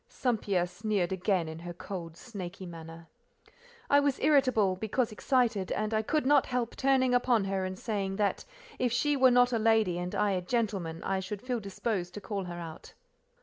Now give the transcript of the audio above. St. Pierre sneered again, in her cold snaky manner. I was irritable, because excited, and I could not help turning upon her and saying, that if she were not a lady and I a gentleman, I should feel disposed to call her out.